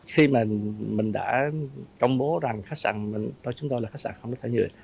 khi mình đã công bố rằng chúng tôi là khách sạn không rác thải nhựa